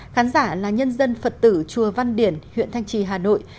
khán giả là nhân dân phật tử chùa văn điển huyện thanh trì hà nội